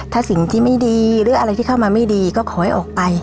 ถ้าสิ่งที่ไม่ดีหรืออะไรที่เข้ามาไม่ดีก็ขอให้ออกไป